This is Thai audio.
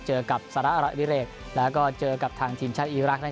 เจอกับสรรพิเศษแล้วก็เจอกับทางทีมชาติอีรักษ์นะครับ